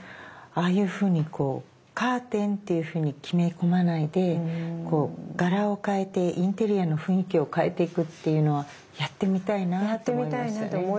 ああいうふうにこうカーテンっていうふうに決め込まないでこう柄を変えてインテリアの雰囲気を変えていくっていうのはやってみたいなと思いましたね。